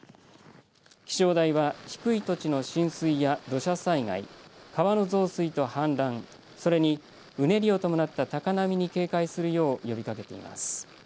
気象台は低い土地の浸水や土砂災害川の増水と氾濫それにうねりを伴った高波に警戒するよう呼びかけています。